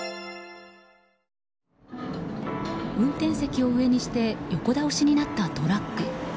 運転席を上にして横倒しになったトラック。